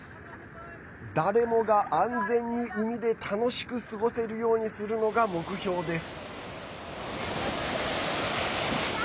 誰もが安全に海で楽しく過ごせるようにするのが目標です。